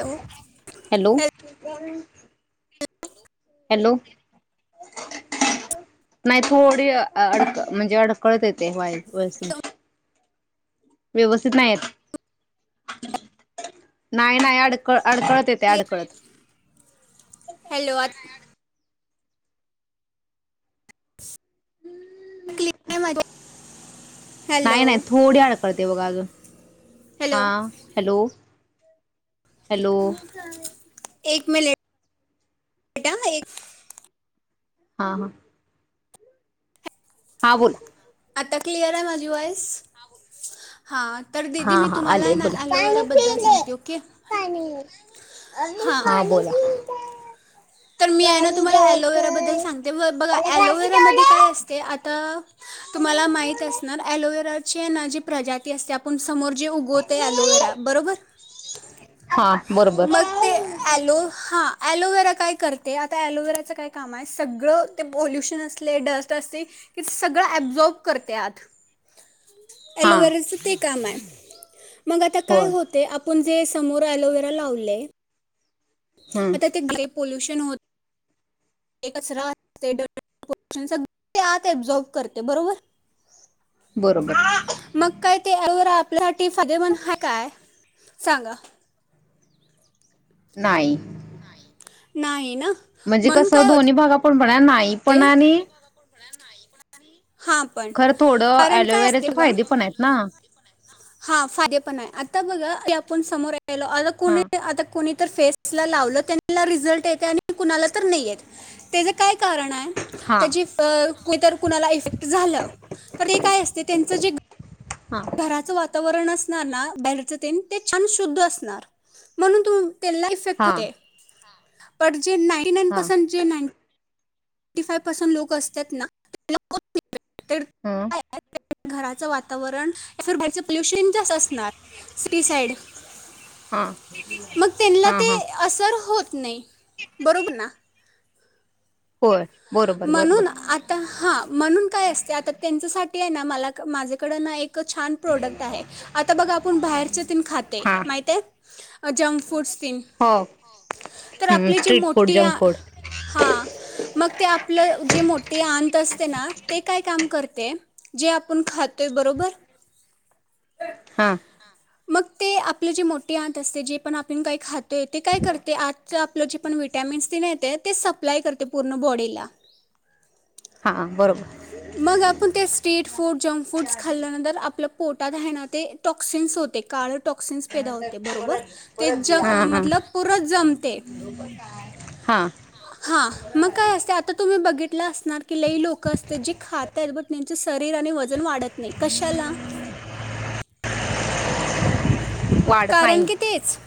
Hello hello. Hello, नाही थोडी अडक म्हणजे अडकळत येते. वाॅइ वाॅइस व्यवस्थित नाही येत. नाही नाही अडकळ अडकळत येतय. क्लि- अडकळत हॅलो आता [inaudible] नाही नाही थोडी अडकळतय. बघा अजून हा हॅलो हॅलो. हॅलो एक मिनिट हा एक हा हा हा बोल आता क्लिअर आहे. माझी वॉइस हा हा आले बोला. ॲलोवेराबद्दल सांगते ओके हां हा बोला. तर मी आहे ना गाडी तुम्हाला ऍलोवेराबद्दल डोकर सांगते. ब बघा अरे गाडी ऍलोवेरामध्ये काय डोले. असते. आता तुम्हाला माहित असणार ऍलोवेरा ची आहे जी प्रजाती असते. आपण समोर जे उगवतयं ऍलोवेरा बरोबर हा बरोबर मग ते ऍलो हा ऍलोवे रा काय करते आता ऍलोवेराच काय काम सगळं ते पल्युशन असले, डस्ट असते, की सगळं ॲबजॉब करत्यात. हा ऍलोवेराचं ते काम आहे. मग आता काय होय होते. आपुण जे समोर ऍलोवेरा लावलय. हम्म आता ते ग्रेप पोल्युशन होत. ते कचरा असते डर्ट पोलुशन सगळे आत ॲब्झॉर्ब करते बरोबर बरोबर म काय ते अ आपल्यासाठी फादेमंद हाय काय सांगा. नाही नाही ना म्हणजे म्हणून कसं काय दोनही होते भागा पण म्हणा नाही पण आणि हा पण खरं थोडं कारण काय असतय अलोवेराचे बगा फायदे पण आहेत ना हा फायदे पण हाय आता बघा ते आपण समोराय लो आता हा कुणी अता कुणी फेस ला लावल तेनला रिजल्ट येतय आणि कुणाला तर नाइट येत तेज काय कारणाय हा त्याची अ कुणाला इफेक्ट झालं तर ते काय असते त्यांच जे हा घराचं वाता वरन असणार ना बाहेरचं तेन ते छान शुद्ध असणार म्हणून त तेला इफेक्ट हा होते. पण जे नाईन हा पर्सेंट जे नाइन टी फाय पर्सेंट लोक असतात ना [inaudible] ह [unintelligible] घराचं वातावरण या बाहेरचं पोल्युशन असणार हा [inaudible] मग तेनला हा ते हा असर होत नाही बरोबर ना होय बरोबर बरोबर म्हणून आता हा म्हणून काय, असते आता त्यांच्यासाठी ना मला माझेकडे ना एक इतक छान प्रोडक्ट आहे, आता बघा आपण बाहेरच तेन खाते हा माहित आहे? Junk foods. हो तर आपली जे स्ट्रीट फूड मोठी आ जंक फूड हा मग ते आप आपल जे मोठे अंत असते ना? ते काय काम करते, जे आपण खातोय बरोबर? हां ते आपले जे मोठी आत असते, जे पण आपण काही खातोय ते काय करते, आतच आपलं जे पण विटॅमिन्स तेन येतंय ते सप्लाय करते पूर्ण बॉडीला. हा बरोबर मग आपण ते स्ट्रीट फूड, जंक फूड्स खाल्ल्या नंतर आपलं पोटात हायना ते टॉक्सिन्स होते, काळं टॉक्सिन्स पैदा होते. बरोबर ते हां हां ज पुरच जमते हां हा मग काय असते आता तुम्ही असणार की लई लोक अस- जी खात्यात बट त्यांच शरीर आणि वजन वाढत नाही, कशाला? वाढत कारण नाही कि तेच,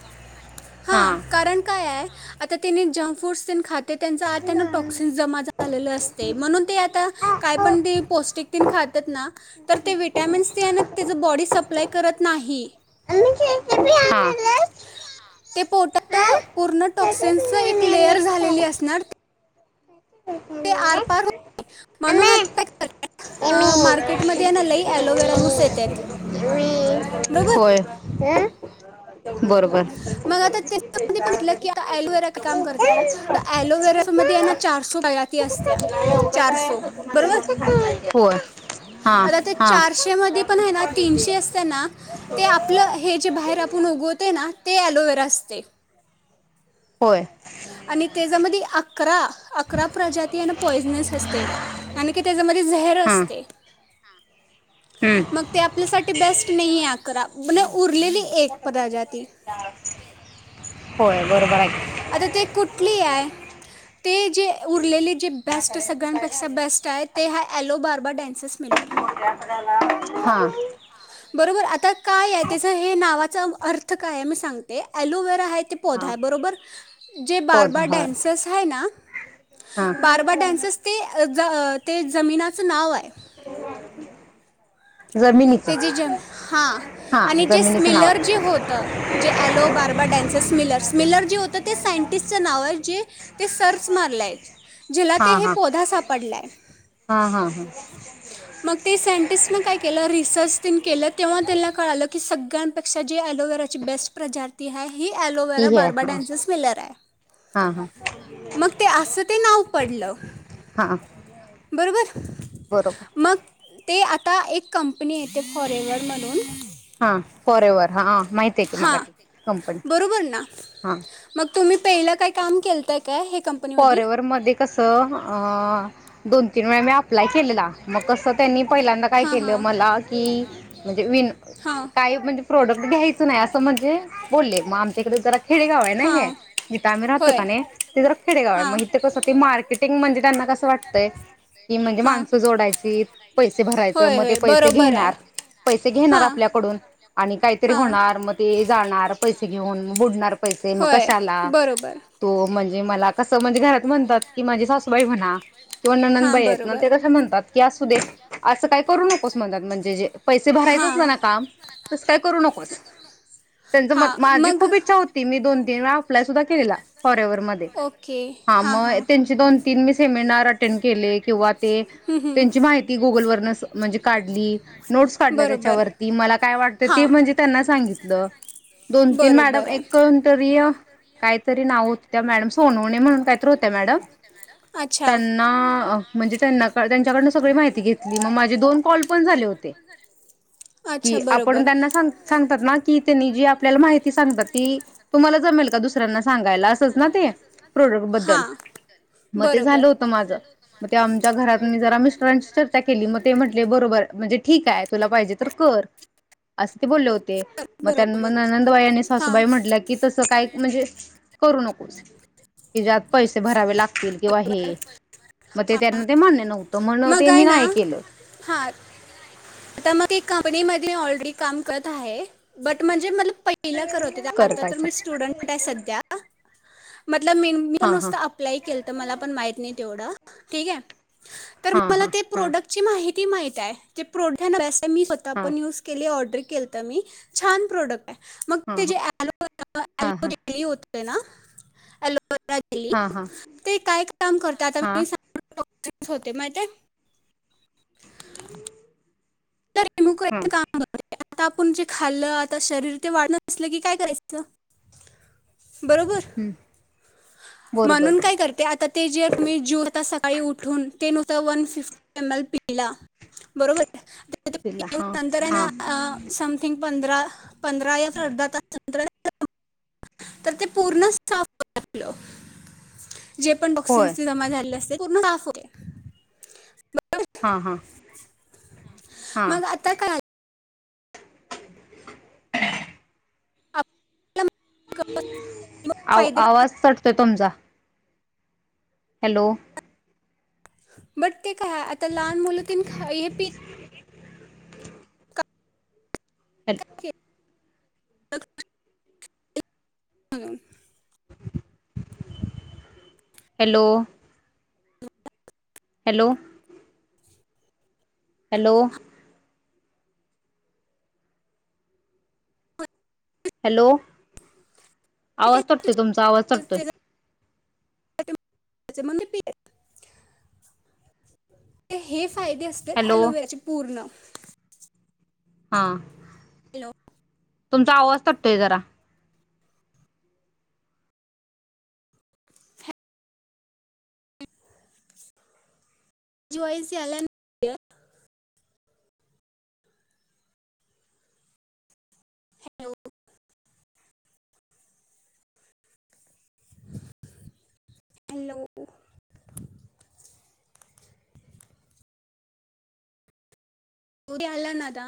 हा हां कारण काय आहे. आता तिनी जंक फूडस खाते, त्यांच आता टॉक्सिन जमा झालेलं असते, म्हणून ते आता काय पण ते पौष्टिक तेन खातेत ना, तर ते विटॅमिन्स ते आहेन बॉडी सप्लाय करत नाही. ते पोटात पूर्ण टॉक्सिन्सचं, एक लेयर झालेली असणार ते आरपार हा अम्मा म्हणून एमी एमी [unintelligible] मार्केटमध्ये लय अलोवेरा जूस येतात. एमी बरोबर? होय बरोबर मग आता त्या पण म्हनटलकी आलोवेरा काम करते, आलोवेरा मध्ये ना चारसो प्रजाती असत्या चारसो बरोबर? होय हां आता त्या हां चारशे मध्ये पण आहे ना तीनशे असतेना ते आपलं, हे जे बाहेर आपण उगवते ना? ते आलोवेरा असते. होय आणि तेज्या मधी अकरा-अकरा परजाती पॉयझनेस असते, आणि क त्याच्यामध्ये झेअर हां असते. [unintelligible] हम्म मग त्या आपल्यासाठी बेस्ट नाही आहे, अकरा उरलेली एक प्रजाती. होय बरोबर आहे. आता ते कुठली आहे? ते जे उरलेले जे बेस्ट सगळ्यांपेक्षा बेस्ट आहे, ते हा ॲलो बार्बा डॅन्सेस मिलर. हां बरोबर आता काय आहे त्याच हे नावाचा अर्थ काय आहे, मी सांगते आलोवेरा आहे ते पौधा हां आहे, बरोबर. जे होत बार्बा होय डॅन्सस आहे ना हां बार्बा डॅन्सस ते ते जमीनाचं नाव आहे. ते जे जमिनीचं जे हा हां आणि जे जमिनीचं नाव स्मिलर आहे जे होतं जे ॲलो बार्बा डॅन्सस स्मिलर मिलर जे होतं ते सायंटिस्टचं नाव आहे, जे ते सर्च मारलं आहे. जेला ते हे पौधा सापडलाय. हा हा हा. मग ते सायंटिस्ट न काय केलं री सर्च तेन केलं तेव्हा त्याला कळालं की सगळ्यांपेक्षा जी अलोवेराची बेस्ट प्रजाती आहे. ही ती अलोवेरा हे बार्बा हां डॅन्सस मिलर आहे, हां हां मग ते असं ते नाव पडलं हां बरोबर. बरोबर मग ते आता एक कंप णी येते फॉरेवर म्हणून हा. फॉरेवर हा. माहितीय की मला हां कंपनी बरोबर ना हां. मग तुम्ही पहिला काय काम केताय काय हे. कंपनीमध्ये फॉरेवर मध्ये कसं अ. दोन तीन वेळा मी अप्लाय केलेला मग कस त्यांनी पहिल्यांदा काय हां केलं हां मला कि, वीन हां काय म्हणजे प्रोडक्ट घ्यायच नाही असं म्हणजे बोल्ले मग आमच्याकड जरा खेडेगाव आहे ना हे हां जिथं आम्ही राहतो होय कानी ते जरा खेडेगावाय हां मग हीत कसं ते मार्केट म्हणजे त्यांना कस वाटतंय. कि म्हणजे हां माणसं जोडायचीत पैसे भरायचं होय मग ते होय पैसे बरोबर आहे घेणार पैसे घेणार हां आपल्याकडून आणि काहीतरी हां होणार मग ते जाणार. पैसे घेऊन बुडणार. पैसे मग होय कशला बरोबर तो म्हण जे मला कसं म्हणजे घरात म्हणतात की माझी सासूबाई म्हणा. किंवा नणन हां बाईयेत ना बरोबर ते कस म्हणतात. की असू दे असं काय करू नकोस म्हणतात म्हणजे जे पैसे भरायच असलं हां ना काम तस काय करू नको पस त्यांच म हां माझी मग खूप इच्छा होती मी दोन तीन वेळा अप्लाय सुद्धा केलेला. फॉरेवर मध्ये ओके कॉलेजमध्ये. हा हां मग हां त्यांचे दोन तीन मी सेमिनार अटेंड केले. किंवा ते हं, त्यांची हं. माहिती गुगल वरन म्हणजे काढली नोट्स काढल्या बरोबर त्याच्यावरती मला काय वाटत मॅडमांना ते हां म्हणजे त्यांना सांगितलं दोन तीन मॅडम बरोबर आहे एक कोणतरी काहीतरी नाव होतं. त्या मॅडम सोनो ने म्हणून काय तर होत्या मॅडम अच्छा त्यांना म्हणजे त्याना त्यांच्याकडन सगळी माहिती घेतली मग माझे दोन कॉल पण झाले होते की अच्छा आपण बरोबर त्यांना सांग सांगतात ना की त्यांनी जी आपल्याला माहिती सांगतात, ती तुम्हाला जमेल का दुसऱ्यांना सांगायला. असंच ना ते. प्रॉडक्टबद्ल हां मग ते झालं बरोबर होत, माझ ते आम त्या घरात मी जरा मिस्टरांशी चर्चा केली, मग ते म्हटले बरोबर म्हणजे ठीक आहे. तुला पाहिजे तर कर अस. ते बोलले होते, मग त्या बरोबर नंदबाई आणि हां सासूबाई म्हटल्या की तस काय म्हणजे करू नकोस. कि ज्यात पैसे भरावे लागतील. किंवा हे बरोबर मग ते हां त्यांना ते मान्य नव्हतं. मग ते मी आहे ना नाही केलं. हां आता मग एक कंपनीमध्ये ऑलरेडी मी काम करत आहे. बट म्हणजे मला पहिलं करत होते. आता तर करतायच मी स्टुडंट आहे. सध्या मतलब मी पण हा हा नसतं अप्लाय केलत. मला पण माहीत नाही तेवढं. ठीक आहे. तर हा मला हा ते हा प्रोडक्ट ची माहिती माहीती माहित हाय जी प्रोडक्ट बेस मी स्वतः हा पण युज केली ऑर्डिक केलत मी छान प्रोडक्ट मग हा ते हा हा ऍलोवेरा जेल होत तेना ऍलोवे रात्री हा हा ते काय काम करत आता हा मी [unintelligible] [unintelligible] माहिते. तर हं हेमुक्राईचं काम करते आता आपण जे खाल्लं, आता शरीर ते वाढत नसलं की काय करायचं बरोबर म्हणून बरोबर काय करते आता ते जे तुम्ही जेवोत असाल सकाळी उठून ते नुसता वन फिफ्टी एम एल पिला बरोबर तिला [unintelligible] हा नंतर हाय हा ना समथिंग पंधरा पंधरा एक अर्धा तास नंतर [unintelligible] तर ते पूर्ण साफ करत. जे पण होय टोक्सिन्स जे जमा झालेले असतेत. पुर्ण साफ होतय. हा हा हा मग आता काय झालं? [unintelligible] आपल्याला आ फायदे आवाज कटतोय तुमचा हॅलो बट ते काय आता लहान मुल हे खा, हे पी हल्ल टक हं हॅलो हॅलो हॅलो हॅलो ते- आवाज ताटतोय तुमचा आवाज चढतोय ते- [inaudible] फायदे असते. हॅलो एलोवेराची पूर्ण हा हॅलो तुमचा आवाज तुटतोय जरा जवाईस आल्यानं हॅलो हॅलो हो हला नाता